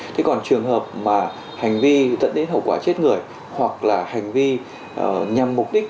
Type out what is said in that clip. thế còn trường hợp mà hành vi dẫn đến hậu quả chết người hoặc là hành vi nhằm mục đích